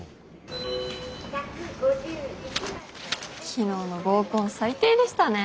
昨日の合コン最低でしたね。